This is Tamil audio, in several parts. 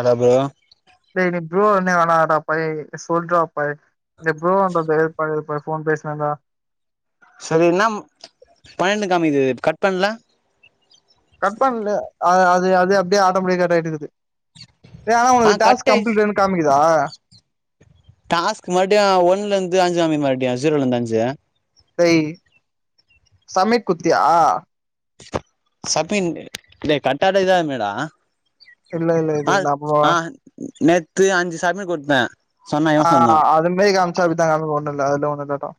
அதாவ்து டே நீ ப்ரோ அண்ணே வேனா டா பழைய் சொல்ரா பழைய் இந்த ப்ரோன்றது பழைய ஃப போன் பேசுனான்டா சரி என்னா பன்னெண்டு காமிக்குது கட் பண்ல கட் பண்ல அ அது அது அப்டியே ஆட்டமெட்டிக்கா கட் ஆயிட்டு இருக்து டே ஆனா ஆ உனக்கு கட் டாஸ் ஆயிடுச்சு கம்ப்ளீடட்னு காமிக்குதா டாஸ்க் மறுபடியு ஒன்லருந்து அஞ்சு காமிக் மறுபடியு ஜீரோல இருந்து அஞ்சு டேய் சமிட் குத்தியா சஃபீன் டே கட்டாட இதாவு மேடா இல்ல இல்ல இது ஆ நா போ ஆ நேத்து அஞ்சு சமிட் குடுத்தே சொன்னா இவ ஆ சொன்னா அதுமாரி காமிச்சா அப்பித்தா காமிக் ஒன்னு இல்ல அதுல ஒன்னு காட்டோ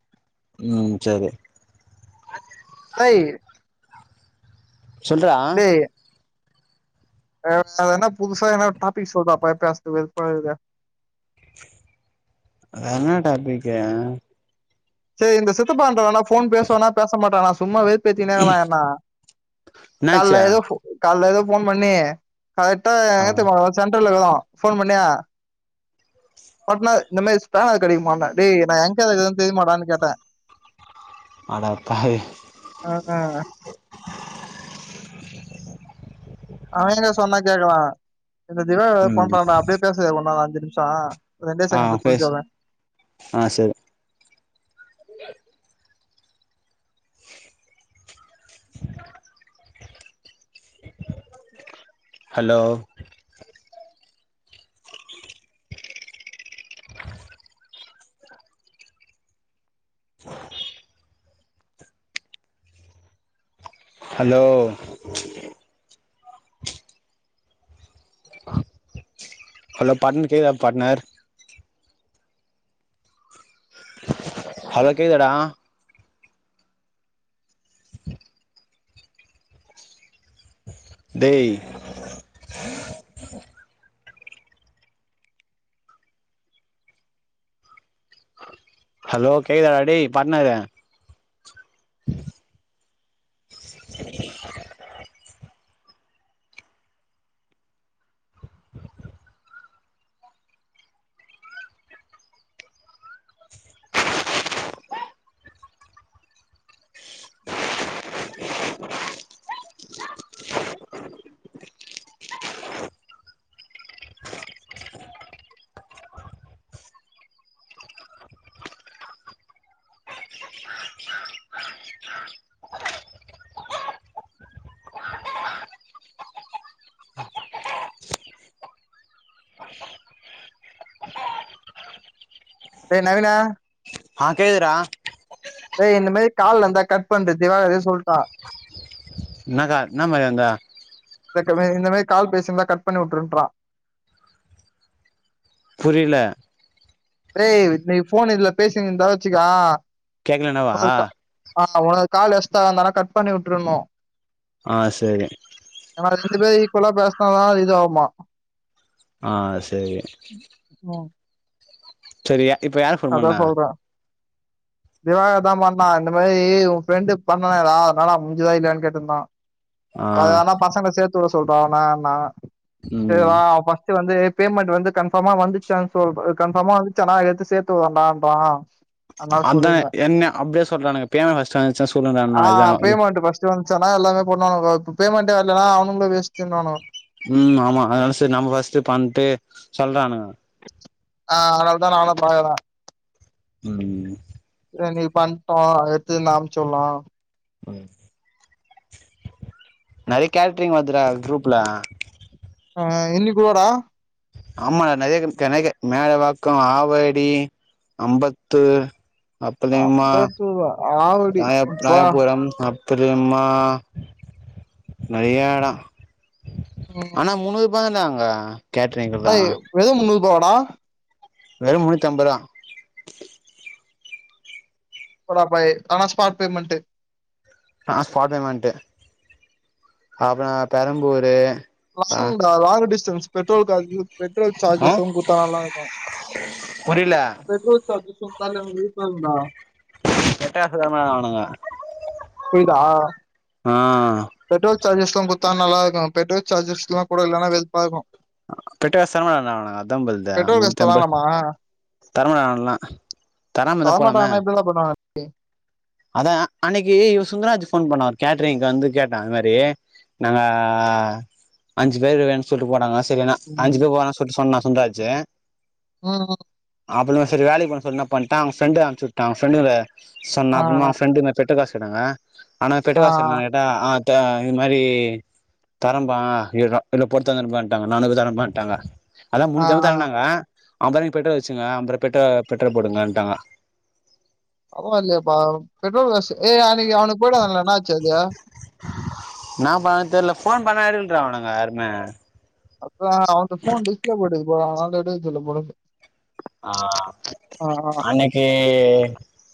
ம் சரி ரை சொல்றா டேய் அ வேனா புதுசா எதன்னா டாபிக் சொல்றா பழைய் பேசுறதுக்கு வெறுப்பாகுது என்ன டாபிக்கு சரி இந்த சித்தப்பா என்ட்டனாடா போன் பேசுவானா பேச மாட்டானா சும்மாவே வெறுப்பேத்தினே இருக்றா என்ன என்னாச்சு கால்ல ஏதோ ஆ ஃப் கால்ல ஏதோ போன் பண்ணி கரெக்டா எங்க தெரிமா இருக்கோ சென்ட்ரல்ல இர்கோ ஃபோன் பண்ணிய பாட்னர் இந்த மேரி ஸ்பேனர் கெடைகுமான்னே டே நா எங்க இருக்றேனு தெரிமாடானு கேட்டே அட பாவி அ அ அவ என்ன சொன்னா கேக்குறா இந்த திவாகர் வேற ம் பண்றான்டா அப்டியே பேசு இன்னு அஞ்சு நிமிஷோ ரெண்டே ஆ செகண்ட்ல பேஸ் சொல்லிடுவே ஆ செரி ஹலோ [unintelligible] [unintelligible] ஹலோ ஹலோ பாட்னர் கேக்குதா பாட்னர் ஹலோ கேக்குதாடா டேய் ஹலோ கேக்குதா டேய் பாட்னரு [unintelligible] அ [inaudible] டேய் நவீனு ஆ கேக்குது டா டேய் இந்த மேரி கால் வந்தா கட் பண்டு திவாகரே சொல்ட்டா என்னக்கா என்ன மாரி வந்த [unintelligible] இந்த மாரி கால் பேசியிருந்தா கட் பண்ணி வுட்டுருன்றா புரில டேய் நீ போன் இதுல பேசினு இருந்தா வச்சுக்கா கேக்கல என்னவா மொதல் கா ஆமா ஒரு கால் எஸ்டா அ வந்தனா கட் பண்ணி விட்டுருணும் அ சேரி நம்ம ரெண்டு பேர் ஈக்குல்லா பேசினாாதான் அது இது ஆகுமா அ செரி ம் சரியா இப்ப யார் அதான் சொல்றேன் திவாகர் தான் பண்ண இந்த மாதிரி உன் ஃப்ரெண்டு பண்ணே ஏதா அதனால முஞ்சுதா இல்லன்னனு கேட்டிருந்தான் ஆ ப அதுதாண்டா பசங்கல சேர்த்துட சொல்ற அண்ணன்னா சரி ம் அவன் வந்து பேமெண்ட் வந்து கன்பர்மா வந்துச்ச சோல்ட்ர கன்பர்மா வந்துச்சா சேர்த்து த்து வண்டாம்ப்பான் அதா என்ன அப்படியே சொல்றானுக்கு பியேனா வாசிச்சா யனாச்சு சொல்லறான் ஆ இது பேமெண்ட் ஃபர்ஸ்ட் வந்துச்சானா எல்லாமே பண்ணுவானுங்க இப்போ பேமண்டே வர்லன்னா அவனுங்களும் வேஸ்டுனுவாங்கோ உம் ஆமா அதனால சரி நம்ம ஃபஸ்ட்டு பண்ட்டு சொல்றானுங்க ஆ அதால தா நானு பாக்குற உம் நீ பண்ணட்டோம் எடுத்து ஏதாச்சும் அனுப்பிவிடலாம் நறைய கேட்ரிங் வருதுடா குரூப்ல ஆ என்னைக்கோ டா ஆமா டா நறைய கம் கனக மேலவாக்கம் ஆவடி ஐம்பத்து அப்பளேமா துவோ ஆ ராயா ராயபுரம் கத்திரிமா நரயா எடோ ம் ஆனா மூணு பே இந்தாங்க அ வெறும் முந்நூறு ரூபாவாடா வெறும் முண்ணுத்தம்பதா போடா ஃபை ஆனா ஸ்பாட் பேமெண்ட் அ ஸ்பாட் பேமெண்ட் அப்ரோ பெரம்பூர் லாங் டா லாங் டிஸ்டன்ஸ் பெட்ரோல் காது பெட்ரோல் ஆ சார்ஜஸும் குடுத்தா நல்லா இருக்கும் புரியல பெட்ரோல் சார்ஜஸீம் [unintelligible] [unintelligible] அவுனுங்க புரிதா ஆ பெட்ரோல் சார்ஜஸ்லா குத்தா நல்லா இருக்கூ பெட்ரோல் சார்ஜஸ்ல கூட இல்லனா வெறுப்பா இருக்கூ பெட்ரஸ் தனம ஆனங்க அதாபொலுது பெட்ரோல் காசு முன்ஐம்ப தராங்களாமா தரமண ஆனுங்கல தரமாட்டாங்க அனா இப்டிலா பண்ணவாங்க அதா அன்னிக்கு இவ சுந்தராஜ் ஃபோன் பண்ண கேட்டிரிங்க்க வந்து கேட்ட இந்த மாரி நாங்க அஞ்சு பேரு வேணு சொல்லிட்டு போனாங்க சரினா அஞ்சு ம், பேர் வோணுசொல்லிட்டு சொன்னா சுன்டராஜி மூனு மாசோ அப்புன சரி வேலைக்கு போன சொன்ன என்ன பண்ட்டா அவங்க ஃபிரெண்ட அம்சிவுட்ட ஃபிரெண்டுகல சொன்ன ஆ அப்புறம அவுங்க ஃபிரெண்டுமே பெட்ரோல் காஸ் கேட்டாங்க ஆனா பெட்ரோ ஆ காஸ் என்னன் கேட்டா அ தே இது மாரி தரம்பா இர்ரா இல்ல பொறுத்துதா தரமாட்டாங்கன் நானுக்கு தரமாட்டாங்க அதா ஆ முன்னுத்தம்பது ஆ. தரனாங்க அம்பது ருவாக் பெட்ரோல் வச்சுங்க அம்ப ரூவா பெட்ரோ பெட்ரோல் போடுங்கன்டாங்க பரவா இல்லையேபா பெட்ரோல் காஸ் ஏய் அன்னிக்கு அவனுக்கு போய்டு வந்தாங்களே என்ன ஆச்சு அது இன்ன பண்றாங் தெர்ல ஃபோன் பண்ணா எடுக்குலன்ரா அவுனுங்க யாருமே அப்றோ அவன்ட ஃபோன் டிஸ்ப்ளே போய்டுகுது ப்ரோ அவனான்ட எடுக்கச் சொல்லு ப்ரோ போன் ஆ அன்னக் கி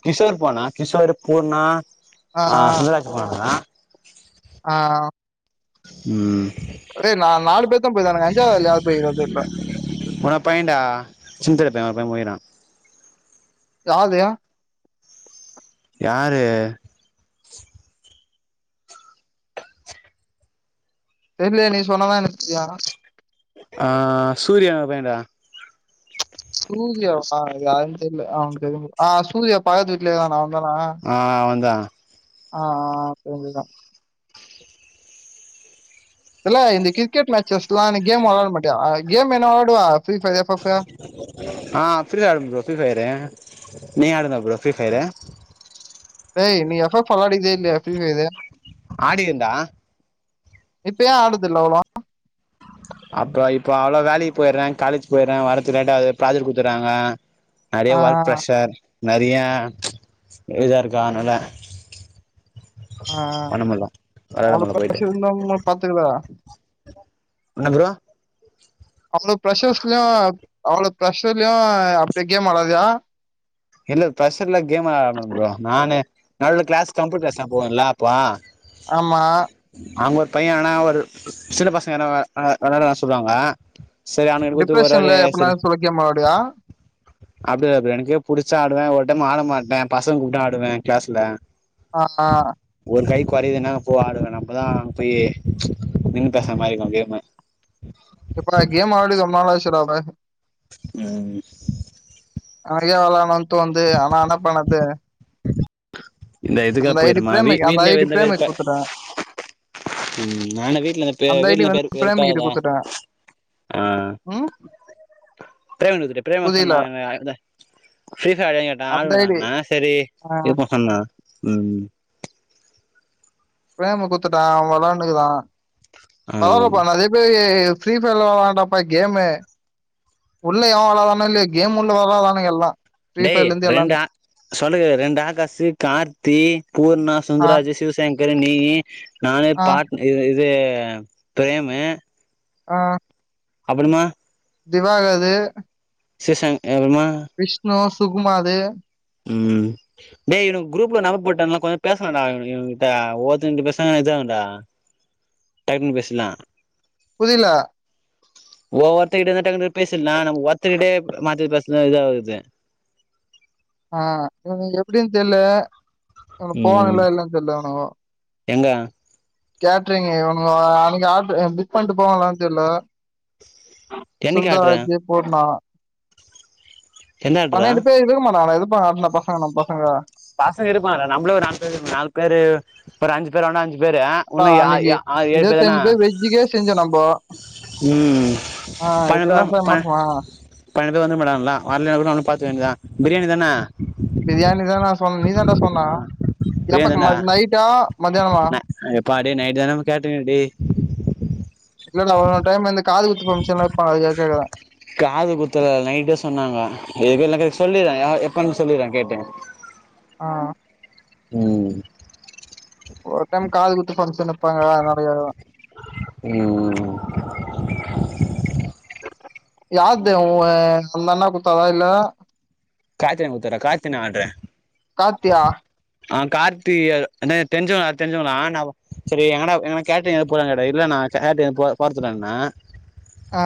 கிஷோர் போனா கிஷோர் பூர்னா ஆ அ சிவராஜ் போனா ஆ ஆ ம் அடே நா நானு பேரு தா போய் இருக்கானுங்க அஞ்சாவது ஆளு யார் போயிருக்க தெர்ல பையேன்டா சின்தடுப்பே ஒரு பையன் போயிரா யார் தேயா யாரு தெர்லயே நீ சொன்னதா எனக் தெரியு ஆ ஆ சூர்யா பய்யேன்டா சூர்யாவா சார் அது யாருன் தெர்ல அவனுக் தெரியு ஆ சூர்யா பக்கத்து வீட்ல இருக்கானா அவன் தான ஆ ஆ அவந்தா ஆ ஆ திரும்பி தா தல இந்த கிரிக்கெட் மேச்சஸ்லா நீ கேம் வெளாட மாட்டியா கேம் என்ன வெளாடுவ ப்ரி பய்ரு எப் ஃபப் ஃபு ஆ ப்ரியா வெளயாடுவே ப்ரோ ப்ரி பயரு நீ ஆடுதா ப்ரோ ப்ரிபயரு ஏய் நீ எப் ஃபப் வெலாடிக்கிது இல்லியா ஃப்ரி பயரு ஆடிகேன்டா இப்ப ஏ ஆட்றதுல்ல அவ்ளோவா அப்றோ இப்போ அவ்ளோ வேலைக் போய்றே காலேஜ் போய்ட்றே வர்றத்துக்கு லெட்டாவது ப்ராஜெட் குடுத்துர்றாங்கோ நெறைய ஆ, ஒர்க் ப்ரெஷர் நெறைய இதா இருக்கு அத்னால ஆ வெளாட அவ்ளோ முடில போயிட்டு ப்ரஷருந்தா ப்ரோ பாத்துக்லா என்ன ப்ரோ அவ்ளோ ப்ரஷர்ஸ்லியு அவ்ளோ ப்ஷர்லியு அப்டியே கேம் வெளாட்ரியா இல்ல ப்ரரெஷர்ல கேம் வெளாட்லமா ப்ரோ நானே நடுல க்ளாஸ் கம்யூட்டர் க்ளால் நா போவேல்லா அப்போ ஆமா அங்க ஒரு பையே என்னன்னா ஒரு சின்ன பசங்கனா வெ வெள வெளாட வேர சொல்லுவாங்க சேரி அகுன்ன எனக்கொருத்தர் வராரு டிப்ரெஷன்ல சேரி எப்படினாலும் ஒரு சொல்ல கேம் விளாடுவியா அப்டிதா அப்டி எனக்கே புடிச்சா ஆடுவ ஒரு டைம் ஆட மாட்டே பசங்க கூப்ட்டா ஆடுவே க்ளாஸ்ல ஆ நா ஒரு கை கொறதுன்னா போ ஆடுவே நம்மதா அங் போயி நின்னு பேச மாரி இருக்கு கேமு இப்ப நா கேம் அடி ரொம்ப நாள் ஆச்சுடா இப்ப ம் ம் அவனுக்கே வெளான்லான் தோன்து ஆனா என்ன பண்ணது இந்த இதுக்கா அந்த ஐடி போயிருமா வீட் பிரேமிக் அந்த வீட்லே ஐடி வீட்லே பிரேமிக் வெறுப்ப குத்துட்டேன் ம் நானு வீட்ல பெ அந்த ஐடி வீட்டுல பெரு வந்து வெருப்பா பிரேமிக் கிட்ட இருக்குதுடா குத்துட்டேன் ஆ ம் ப்ரேம குடுத்துட்டு ப்ரேம சொன்னா புரியல என்ன ஆ ஃப்ரி பயர் ஆடுவியான் கேட்டா அந்த ஐடி ஆடுவேன்டானே செரி இருப்போ சொன்னா ம் பிரேம குத்துட்டா அவ வெளாண்டுகிறா ஆ வளரப்பா நறைய ஃப்ரீ ஃபயர் வெளாண்டப்பா கேமே உள்ள எவ வராதானோ இல்லையே கேம் உள்ள வராதானுங்க எல்லா டே ரெண்டு சொல்றத கேளு ரெண்டு ஆகாசு கார்த்தி பூர்ணா ஆ சுந்தராஜ சிவசக் சங்கர் நீய் நானு ஆ பாட் இது பிரேமு ஆ அப்பறமா திவாகது [unintelligible] விஷ்ணு சுகுமாது ம் டேய் இங்க குரூப்ல நம்பர் போட்ட கொஞ்ச பேசலாண்டா இவுங்ககிட்ட ஒருத்தங்கட்ட பேசுனா இது ஆகுண்டா டைம்கு பேசலா புதில ஓ ஒருத்தக்கிட்டே இருந்த பேசலா நம்ம ஒருத்தக்கிட்டே மாத்தி பேசுனா இத ஆகுது ஆ இவனுங்க எப்பிடனு தெர்ல ம் போவான்ல்ல இல்லன்னு தெரியல்ல உனு எங்க கேட்ரிங் இவனுங்க [unintelligible] ஆடரு புக் பண்ணிட்டு போவலாம்னு தெரியல என்னைக்கு சுந்தர் ஆட்ரு ராஜே போட்னா எந்த ஆட்ரா பன்னெண்டு பேர் இருக்கமாட்டாங்களே இருப்பாங்களா பசங்க நம் பசங்க பசங்க இருப்பாங்க நம்மளே ஒரு நாலு பேரு நாலு பேரு அப்றோ அஞ்சு பேர் ஆன அஞ்சு பேரு அடா உன்னு அ அன்னைக்கு ஆரு ஏழு பேரு தானே இருபத்தஞ்சு பேர் வெஜ்ஜுக்கே செஞ்சோம் நம்ம ம் ப ஆஹ் [unintelligible] இதெல்லாம் செய்ய மாட்டோமா பண்ணென்டு பேர் வந்திட்டு போய்ட்டாங்களா வந்தா கூட ஒன்னு பாத்துக்க வேண்டியதா பிரியாணி தானா பிரியாணி தானா சொன் நீ தாண்டா சொன்ன பிரியாணி எப்பக்கு ம தான்டா நைட்டா மத்தியானமா ந எப்பா டே நைட் தானே கேட்டுங்க டே இல்ல டா அவ ஒரு டைம் வந்து காது குத்து பங்க்ஷன்ல இருப்பா அது தான [unintelligible] காது குத்துல நைட்டே சொன்னாங்க இதுக்கு சொல்லிறே எப்போனு சொல்லிறே கேட்டு ஆ ம் ஒரு டைம் காது குத்து பங்க்ஷன் வப்பாங்க அதடோய அதுவா ம் யார்து உ ஒ அந்த அண்ணா குத்தாதா இல்ல காத்தி அண்ணா கொடுத்தாரே காத்தி அண்ணா ஆர்டரு [unintelligible] காத்தியா ஆ கார்த்தி தெரிஞ்சவங்களா தெரிஞ்சவங்களா நா செரி எடான கேட்டு போறாங்க கடா இல்ல நா போறதுரான [unintelligible] ஆ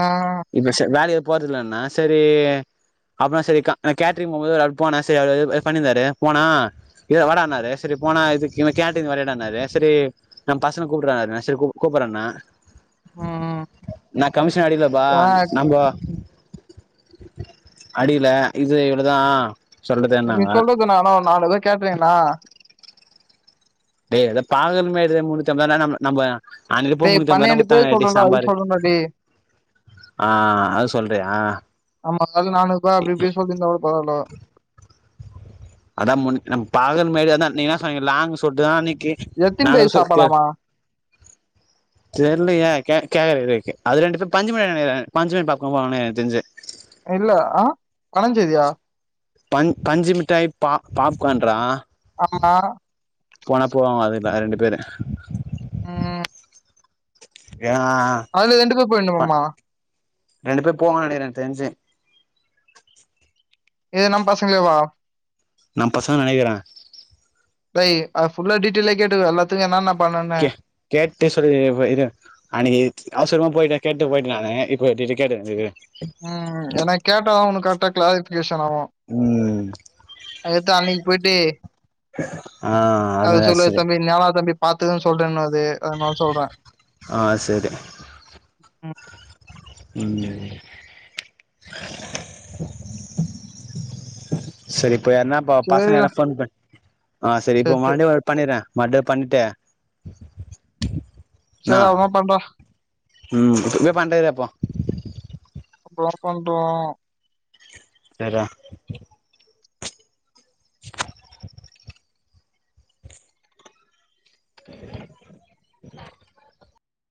இப்போ செரி வேலக்கே போறதுல்லன்னா செரி அப்புடனா செரி கா நா கேட்ரிங் போகபோது அவளவு போனா செரி அவரு இது பண்ணிருந்தாரு போனா இது வாடானாரு செரி போனா இதுக்கு கேன்ண்டீன் வரையானாரு செரி நா பசங்க கூப்பிடுறேன செரி கூ கூப்பிடறேண்ணா உம் நா கமிஷன் அடிகலப்பா ஏன்னா நம்ம அடிக்கல இது இவ்ளோதா நீ சொல்றதுன்னாங்க சொல்றது இன்னா நாவ் நான் எதுவும் கேக்லீங்ன்னா டே ஏதா பாகல்ன் எதோ மூண்ணுத்தி அம்பதுனா நம் நம்ப அன்னிக்கி இப்போ டேய் முண்ணூத்தி அம்பது தான பன்னெண்டு பேர் குடுத்தாங்க இப்டி சொல்றோம்ல அதுக்கு சாம்பாரு சொல்றேன்டா டேய் ஆ அது சொல்றியா நம்ம அதாவது நானூறு ரூபாய் அப்படி இப்படி சொல்லியிருந்தா கூட பரவாயில்ல அதா முன் நம் பாகல் மாரி தான நீங்க இன்னா சொன்னீங்க லாங்கு சொல்ட்டு தா அன்னிக்கு எத்தனை நாங்கள் பேர் சு கேள் சாப்பாடாமா தெர்லயே கேக் கேக்கற இரு அது ரெண்டு பேர் பஞ்சமி நெனக்கிறே பஞ்சமி பாக்குவா எனக் தெரிஞ்சு இல்ல ஆ பணஞ்செய்தியா பஞ் பஞ்சு மிட்டாய் பா பாப்கான்ரா ஆமா போனா போவாங்க அதுல ரெண்டு பேரு ம் யா அதுல ரெண்டு பேர் போயின்னுமம்மா ரெண்டு பேர் பேவாங்க நெனைக்கிற எனக் தெர்ஞ்சு ஏ நம் பசங்ளேவா நம் பசங்க நெனைக்கிற டெய் அது ஃபுல்லா டிடெய்ல்லா கேட்டுக்கோ அல்லாத்துக்கு என்னன்னா கே கேட்டு சொல்லிற இரு அன்னைக்கி அவுசுரமா போயிட்டே கேட்டு போயிட்டே நானு இப்ப டீட்டெயில் கேட்டுற இரு ம் ம் ஏன்னா கேட்டாதா உனுக் கரெக்டா கிளாரிஃபிகேஷன் ஆவும் ம் அததா அன்னைக்கு போயிட்டு ஆ அது அவுரு மாரி சொல்வாரு ஆச்சு தம்பி நானா தம்பி பாத்துக்கன் சொல்றன்னது அதுனால சொல்ற ஆ செரி ம், ம் செரி இப்ப யார்னா ப பசங்க சரிடா யார்னா ஃபோன் பண் ஆ செரி சரி இப்ப சரி மறுடியோ பண்ணிற மறுப்டியு பண்ட்டு செர் அப்மா பண்றா ம் என்ன பண்றது அப்போ ஒர்க் பண்றோ செர் ரா அஞ்சு பேகும்